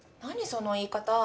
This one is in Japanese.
その言い方。